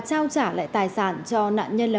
trao trả lại tài sản cho nạn nhân là